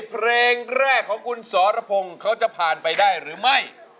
เพลงแรกของคุณสรพงศ์เขาจะผ่านไปได้หรือไม่